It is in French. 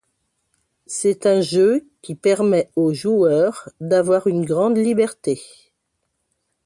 C'est un jeu qui permet aux joueurs d'avoir une grande liberté.